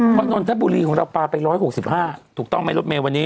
เพราะนนทบุรีของเราปลาไป๑๖๕ถูกต้องไหมรถเมย์วันนี้